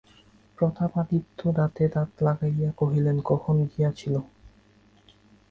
প্রতাপাদিত্য দাঁতে দাঁত লাগাইয়া কহিলেন, কখন গিয়াছিল?